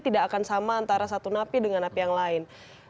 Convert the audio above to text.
tidak akan sama antara satu napi dengan napi yang lain